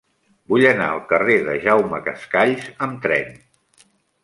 Vull anar al carrer de Jaume Cascalls amb tren.